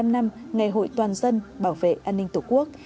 bảy mươi năm năm ngày hội toàn dân bảo vệ an ninh tổ quốc